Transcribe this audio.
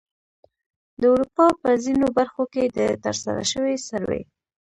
د اروپا په ځینو برخو کې د ترسره شوې سروې